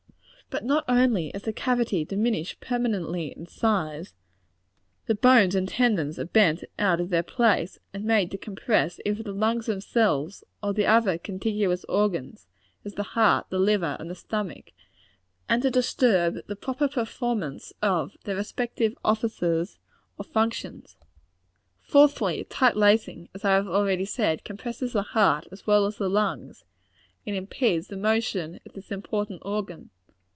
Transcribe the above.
But not only is the cavity diminished permanently in size; the bones and tendons are bent out of their place, and made to compress either the lungs themselves, or the other contiguous organs, as the heart, the liver and the stomach, and to disturb the proper performance of their respective offices or functions. Fourthly tight lacing, as I have already said, compresses the heart as well as the lungs, and impedes the motion of this important organ.